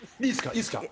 いいですか？